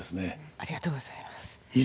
ありがとうございます。